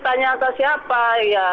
tanya ke siapa ya